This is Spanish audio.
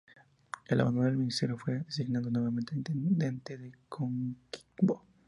Al abandonar el ministerio fue designado nuevamente Intendente de Coquimbo.